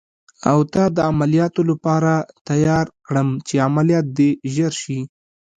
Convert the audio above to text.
او تا د عملیاتو لپاره تیار کړم، چې عملیات دې ژر شي.